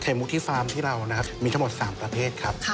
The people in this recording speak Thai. มุกที่ฟาร์มที่เรานะครับมีทั้งหมด๓ประเภทครับ